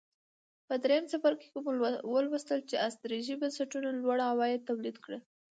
په درېیم څپرکي کې مو ولوستل چې استثري بنسټونو لوړ عواید تولید کړل